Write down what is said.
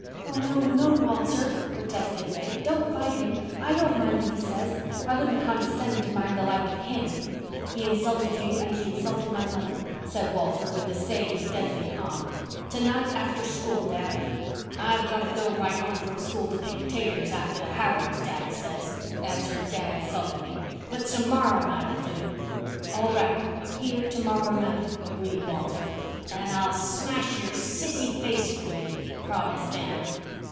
"Oh, no, no, Walter," protested Faith. "Don't fight him. I don't mind what he says—I wouldn't condescend to mind the like of him." "He insulted you and he insulted my mother," said Walter, with the same deadly calm. "Tonight after school, Dan." "I've got to go right home from school to pick taters after the harrows, dad says," answered Dan sulkily. "But to morrow night'll do." "All right—here to morrow night," agreed Walter. "And I'll smash your sissy face for you," promised Dan.